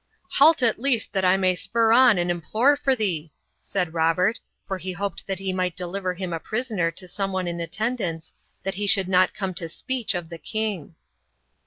"Halt at least that I may spur on and implore for thee," said Robert, for he hoped that he might deliver him a prisoner to some one in attendance, that he should not come to speech of the king.